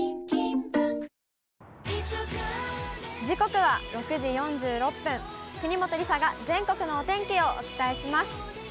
時刻は６時４６分、国本梨紗が全国のお天気をお伝えします。